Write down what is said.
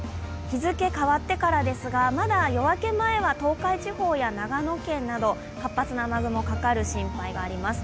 日付変わってからですが、まだ夜明け前は東海地方や長野県など活発な雨雲かかる心配があります。